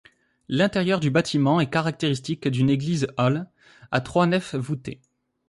L'intérieur du bâtiment est caractéristique d'une église-halle à trois nefs voûtées.